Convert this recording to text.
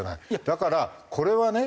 だからこれはね